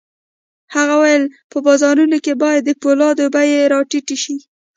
هغه وویل په بازارونو کې باید د پولادو بيې را ټیټې شي